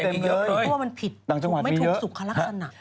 เชียงใหม่พี่เต็มเยอะเพราะว่ามันผิดดังจังหวัดพี่เยอะถูกไม่ถูกสุขลักษณะ